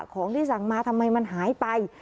ของที่สั่งมาทำไมมันหายไป